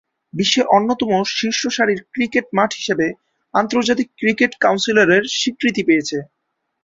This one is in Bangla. বিশ্বের অন্যতম শীর্ষসারির ক্রিকেট মাঠ হিসেবে আন্তর্জাতিক ক্রিকেট কাউন্সিলের স্বীকৃতি পেয়েছে।